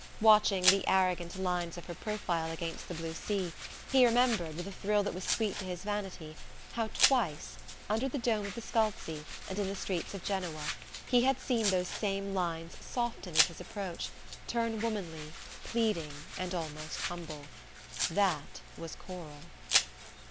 Watching the arrogant lines of her profile against the blue sea, he remembered, with a thrill that was sweet to his vanity, how twice under the dome of the Scalzi and in the streets of Genoa he had seen those same lines soften at his approach, turn womanly, pleading and almost humble. That was Coral....